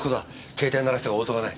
携帯鳴らしたが応答がない。